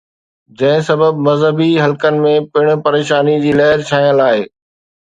جنهن سبب مذهبي حلقن ۾ پڻ پريشاني جي لهر ڇانيل آهي.